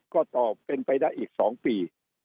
ก็ตอบเป็นไปได้อีก๒ปี